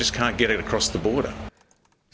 mereka hanya tidak bisa mendapatkannya di luar bandara